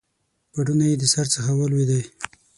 پوړنی یې د سر څخه ولوېدی